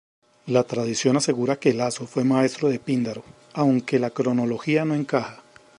La tradición asegura que Laso fue maestro de Píndaro, aunque la cronología no encaja.